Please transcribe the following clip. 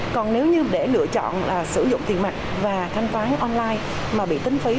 còn nếu như để lựa chọn sử dụng tiền mặt và thanh toán online mà bị tính phí